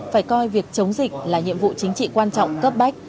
phải coi việc chống dịch là nhiệm vụ chính trị quan trọng cấp bách